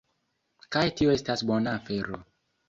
Kaj tio estas bona afero